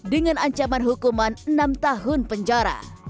dengan ancaman hukuman enam tahun penjara